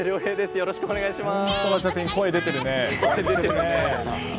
よろしくお願いします。